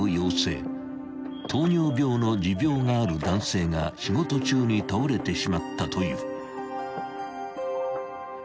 ［糖尿病の持病がある男性が仕事中に倒れてしまったという］